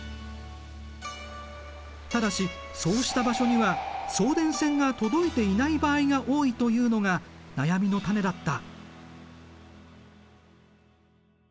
ただしそうした場所には送電線が届いていない場合が多いというのが悩みの種だった。